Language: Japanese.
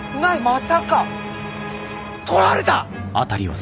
まさか！とられた！？